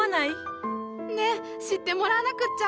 ねっ知ってもらわなくっちゃ。